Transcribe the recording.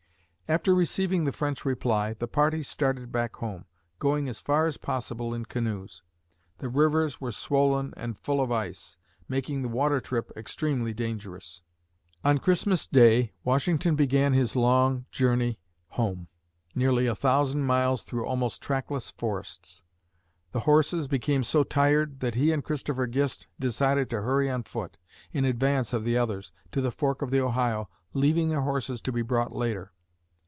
After receiving the French reply, the party started back home, going as far as possible in canoes. The rivers were swollen and full of ice, making the water trip extremely dangerous. On Christmas Day, Washington began his long journey home nearly a thousand miles through almost trackless forests. The horses became so tired that he and Christopher Gist decided to hurry on foot, in advance of the others, to the fork of the Ohio, leaving their horses to be brought later.